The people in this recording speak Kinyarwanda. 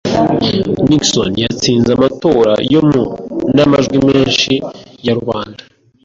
Nixon yatsinze amatora yo mu n'amajwi menshi ya rubanda.